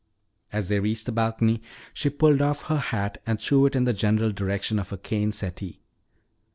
As they reached the balcony she pulled off her hat and threw it in the general direction of a cane settee.